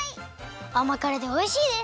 あまからでおいしいです！